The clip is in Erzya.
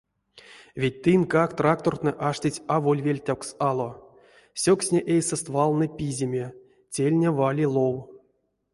Ведь тынккак трактортнэ аштить аволь вельтявкс ало, сёксня эйсэст валны пиземе, тельня вали лов.